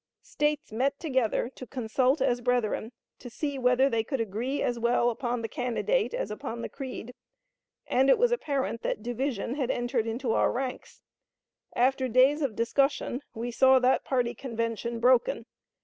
States met together to consult as brethren, to see whether they could agree as well upon the candidate as upon the creed, and it was apparent that division had entered into our ranks. After days of discussion, we saw that party convention broken.